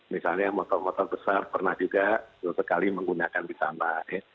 misalnya motor motor besar pernah juga sesekali menggunakan di sana